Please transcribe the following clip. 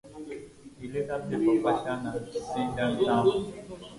He later played for Walsall and Swindon Town.